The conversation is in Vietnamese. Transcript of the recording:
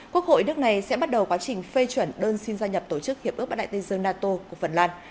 quốc hội nước này sẽ bắt đầu quá trình phê chuẩn đơn xin gia nhập tổ chức hiệp ước bắc đại tây dương nato của phần lan